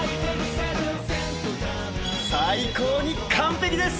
最高に完璧です。